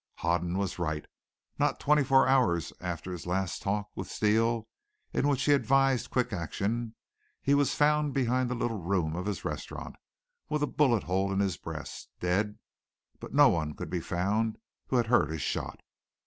Hoden was right. Not twenty four hours after his last talk with Steele, in which he advised quick action, he was found behind the little room of his restaurant, with a bullet hole in his breast, dead. No one could be found who had heard a shot.